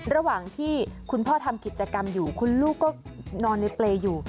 ระหว่างที่คุณพ่อทำกิจกรรมอยู่คุณลูกก็นอนในเปรย์อยู่